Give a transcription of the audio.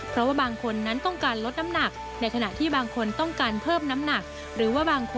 เพราะว่าบางคนนั้นต้องการลดน้ำหนัก